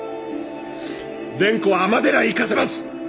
蓮子は尼寺へ行かせます！